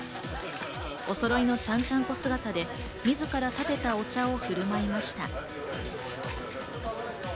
おそろいのちゃんちゃんこ姿で自ら立てたお茶を振る舞いました。